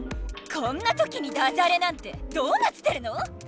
こんなときにダジャレなんてドーナツてるの？